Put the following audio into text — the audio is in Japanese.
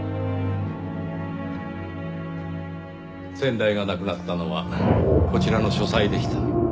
先代が亡くなったのはこちらの書斎でした。